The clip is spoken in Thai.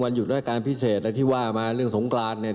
วันหยุดให้การวิจัยพิเศษแล้วที่ว่ามาเรื่องสงครานเนี่ย